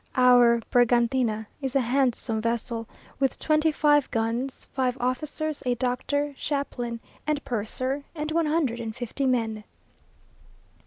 Our Bergantina is a handsome vessel, with twenty five guns, five officers, a doctor, chaplain, and purser, and one hundred and fifty men.